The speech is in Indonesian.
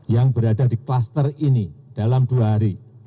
yang berada di kluster ini dalam dua hari